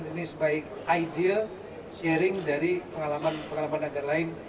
ini sebaik ideal sharing dari pengalaman pengalaman agar lain